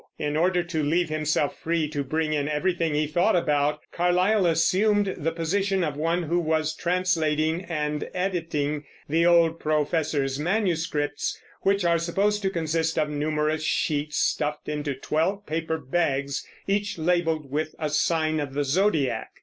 In order to leave himself free to bring in everything he thought about, Carlyle assumed the position of one who was translating and editing the old professor's manuscripts, which are supposed to consist of numerous sheets stuffed into twelve paper bags, each labeled with a sign of the zodiac.